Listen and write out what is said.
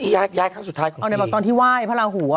ย้ายขั้ั้งสุดท้ายของผมค่ะตอนนั้นหว่ายพระหู